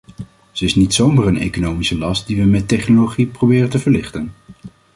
Ze is niet zomaar een economische last die we met technologie proberen te verlichten.